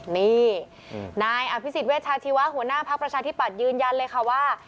นี่นายอภิษฎเวชาชีวะหัวหน้าภักดิ์ประชาธิปัตย์ยืนยันเลยค่ะว่า